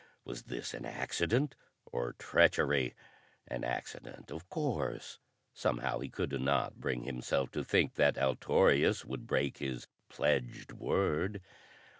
Was this an accident or treachery? An accident of course. Somehow he could not bring himself to think that Altorius would break his pledged word.